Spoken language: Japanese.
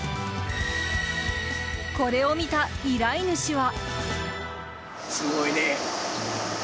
これを見た依頼主は。